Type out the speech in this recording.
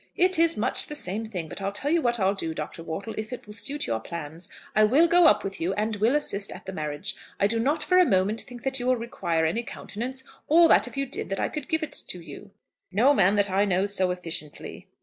"It is much the same thing. But I'll tell you what I'll do, Dr. Wortle, if it will suit your plans. I will go up with you and will assist at the marriage. I do not for a moment think that you will require any countenance, or that if you did, that I could give it you." "No man that I know so efficiently."